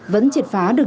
vẫn triệt phá được